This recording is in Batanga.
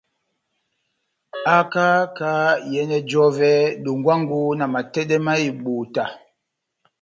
Haka kahá iyɛnɛ j'ɔvɛ dongwango na matɛdɛ ma ebota.